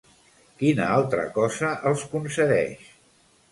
Quina altra cosa els concedeix?